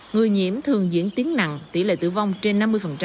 người nhiễm thường diễn tiến nặng tỷ lệ tử vong trên năm mươi